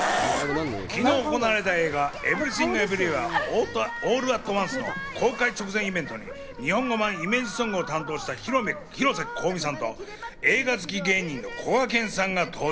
昨日行われた、映画『エブリシング・エブリウェア・オール・アット・ワンス』の公開直前イベントに日本版イメージソングを担当した広瀬香美さんと映画好き芸人のこがけんさんが登場。